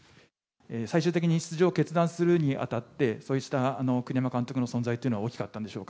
最終的に出場を決断するにあたって、そうした栗山監督の存在っていうのは、大きかったんでしょうか。